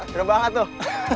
gere banget tuh